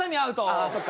ああそっか。